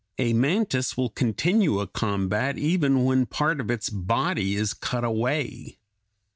A mantis will continue a combat even when part of its body is cut away.